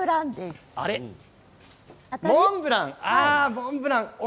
モンブラン。